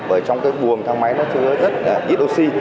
bởi trong cái buồm thang máy nó chứa rất ít oxy